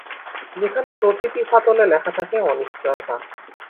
যেখানে প্রতিটি ফাটলে লেখা থাকে অনিশ্চয়তা।